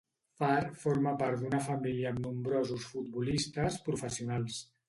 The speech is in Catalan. Farr forma part d'una família amb nombrosos futbolistes professionals.